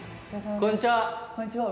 こんにちは。